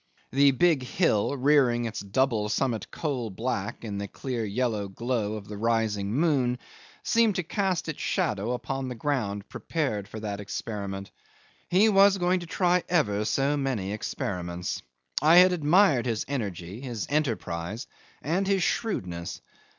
The big hill, rearing its double summit coal black in the clear yellow glow of the rising moon, seemed to cast its shadow upon the ground prepared for that experiment. He was going to try ever so many experiments; I had admired his energy, his enterprise, and his shrewdness.